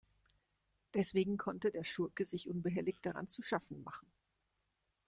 Deswegen konnte der Schurke sich unbehelligt daran zu schaffen machen.